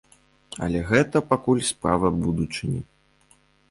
Але гэта пакуль справа будучыні.